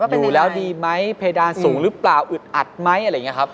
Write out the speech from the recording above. ดูแล้วดีไหมเพดานสูงหรือเปล่าอึดอัดไหมอะไรอย่างนี้ครับ